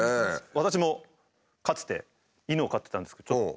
私もかつて犬を飼ってたんですけどちょっと。